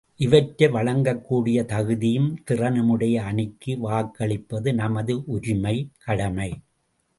இவற்றை வழங்கக்கூடிய தகுதியும் திறனுமுடைய அணிக்கு வாக்களிப்பது நமது உரிமை கடமை!